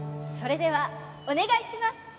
それではお願いします！